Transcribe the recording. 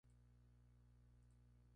Pero para pocos era una sorpresa.